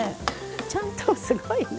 ちゃんとすごいね。